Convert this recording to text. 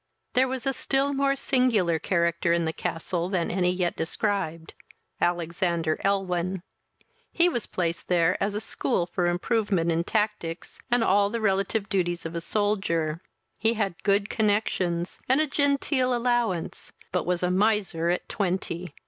There was a still more singular character in the castle than any yet described, Alexander Elwyn. He was placed there as a school for improvement in tactics and all the relative duties of a soldier: he had good connexions, and a genteel allowance; but was a miser at twenty.